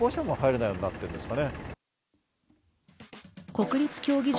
国立競技場